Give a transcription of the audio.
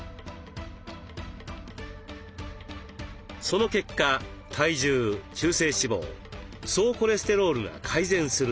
その結果体重中性脂肪総コレステロールが改善するのです。